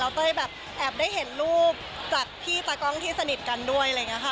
เต้ยแบบแอบได้เห็นรูปจากพี่ตากล้องที่สนิทกันด้วยอะไรอย่างนี้ค่ะ